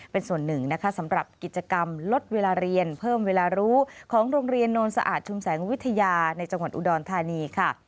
เป็นส่วนหนึ่งนะคะสำหรับกิจกรรมลดเวลาเรียนเพิ่มเวลารู้ของโรงเรียนโนนสะอาดชุมแสงวิทยาในจังหวัดอุดรธานีค่ะ